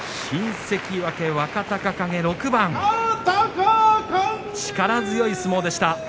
新関脇若隆景、６番力強い相撲でした。